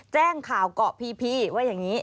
แจ้งข่าวเกาะพีว่าอย่างนี้